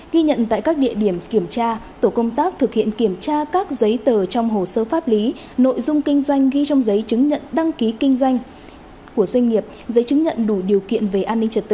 ghi nhận tại các địa điểm kiểm tra tổ công tác thực hiện kiểm tra các giấy tờ trong hồ sơ pháp lý nội dung kinh doanh ghi trong giấy chứng nhận đăng ký kinh doanh của doanh nghiệp giấy chứng nhận đủ điều kiện về an ninh trật tự